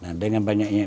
nah dengan banyaknya